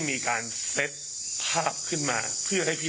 นี่นี่นี่นี่นี่